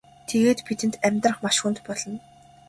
Тэгээд бидэнд амьдрахад маш хүнд болно.